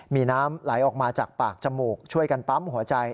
มีน้ำไหลออกมาจากปากจมูกช่วยกันปั๊มหัวใจ